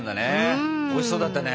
おいしそうだったね。